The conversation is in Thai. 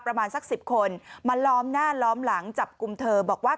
ประมาณสัก๑๐คนมาล้อมหน้าล้อมหลังจับกลุ่มเธอบอกว่า